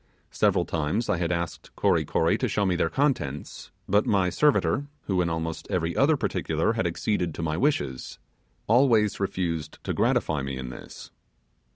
Several times I had asked Kory Kory to show me their contents, but my servitor, who, in almost every other particular had acceded to my wishes, refused to gratify me in this.